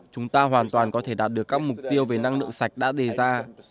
chúng ta hoàn toàn có thể đạt được các mục tiêu về năng lượng sạch đã đề ra